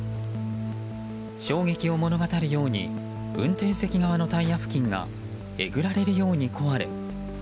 衝撃を物語るように運転席側のタイヤ付近がえぐられるように壊れ。